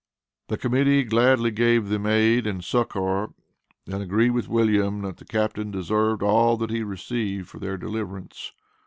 The Committee gladly gave them aid and succor, and agreed with William that the Captain deserved all that he received for their deliverance.